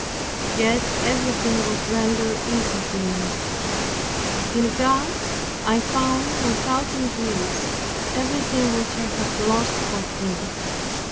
Yet everything was rendered easy to me. In God I found, without increase, everything which I had lost for Him.